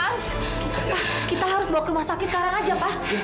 ah kita harus bawa ke rumah sakit sekarang aja pak